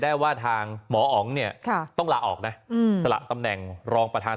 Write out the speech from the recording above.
ได้ว่าทางหมออ๋องเนี่ยต้องลาออกนะสละตำแหน่งรองประธาน